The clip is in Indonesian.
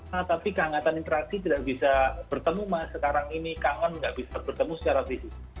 nah tapi kehangatan interaksi tidak bisa bertemu mas sekarang ini kangen nggak bisa bertemu secara fisik